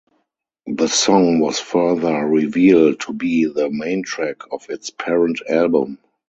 The song was further revealed to be the "main track" of its parent album.